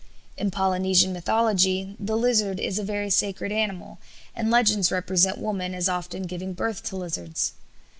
In Polynesian mythology the lizard is a very sacred animal, and legends represent women as often giving birth to lizards.